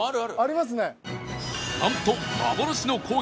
ありますね。